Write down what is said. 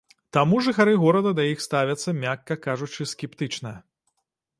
Таму жыхары горада да іх ставяцца, мякка кажучы, скептычна.